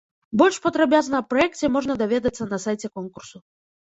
Больш падрабязна аб праекце можна даведацца на сайце конкурсу.